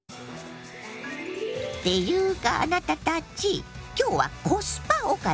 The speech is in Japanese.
ていうかあなたたち今日は「コスパ」おかずよ。